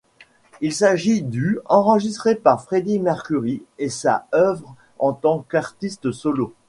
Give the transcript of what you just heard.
Il s'agit du enregistré par Freddie Mercury, et sa œuvre en tant qu'artiste solo.